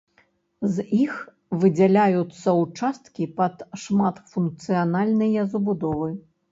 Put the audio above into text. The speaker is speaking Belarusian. З іх выдзяляюцца ўчасткі пад шматфункцыянальныя забудовы.